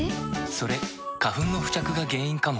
それ花粉の付着が原因かも。